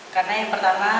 karena yang pertama